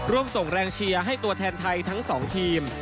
ส่งแรงเชียร์ให้ตัวแทนไทยทั้ง๒ทีม